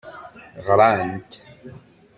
Ɣrant.